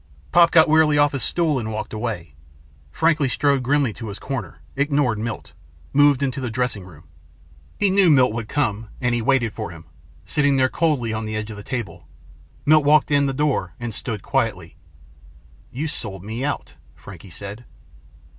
Pop got wearily off his stool and walked away. Frankie strode grimly to his corner, ignored Milt, moved on into the dressing room. He knew Milt would come and he waited for him, sitting there coldly on the edge of the table. Milt walked in the door and stood quietly. "You sold me out," Frankie said.